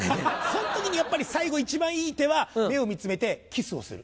その時にやっぱり最後一番いい手は目を見つめてキスをする。